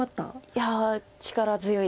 いや力強いです。